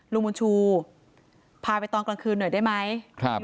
ลุงบุญชูพาไปตอนกลางคืนหน่อยได้ไหม